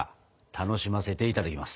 楽しませていただきます。